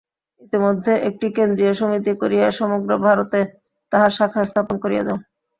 ইতোমধ্যে একটি কেন্দ্রীয় সমিতি করিয়া সমগ্র ভারতে তাহার শাখা স্থাপন করিয়া যাও।